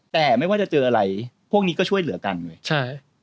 แต่ไม่ว่าจะเจออะไรพวกนี้ก็ช่วยเหลือกันเว้ยใช่